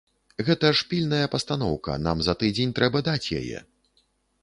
Гэта ж пільная пастаноўка, нам за тыдзень трэба даць яе.